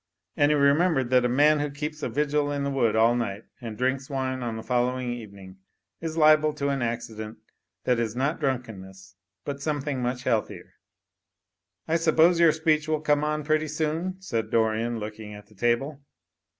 And he remembered that a 220 THE FLYING INN man who keeps a vigil in a wood all night and drinks wine on the following evening is liable to an accident that is not drunkenness, but something much healthier. "I suppose your speech will come on pretty soon," said Dorian, looking at the table.